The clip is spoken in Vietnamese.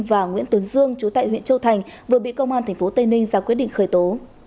và nguyễn tuấn dương chú tại huyện châu thành vừa bị công an tp tây ninh ra quyết định khởi tố